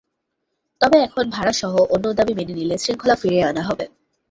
তবে এখন ভাড়াসহ অন্য দাবি মেনে নিলে শৃঙ্খলা ফিরিয়ে আনা হবে।